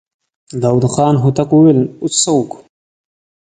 داوود خان هوتک وويل: اوس څه وکو؟